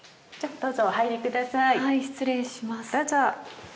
どうぞ。